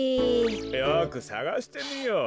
よくさがしてみよう。